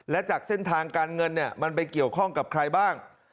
และจากเส้นทางการเงินมันไปเกี่ยวข้องกับใครบ้าง